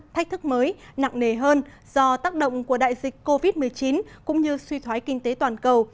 thách thức mới nặng nề hơn do tác động của đại dịch covid một mươi chín cũng như suy thoái kinh tế toàn cầu